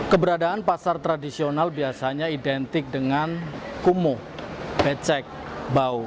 keberadaan pasar tradisional biasanya identik dengan kumuh becek bau